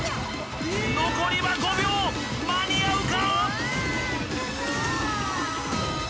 残りは５秒間に合うか？